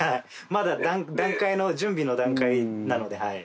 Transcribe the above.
まだ段階の準備の段階なので。